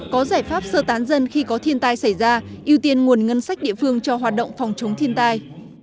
có giải pháp sơ tán dân khi có thiên tai xảy ra ưu tiên nguồn ngân sách địa phương cho hoạt động phòng chống thiên tai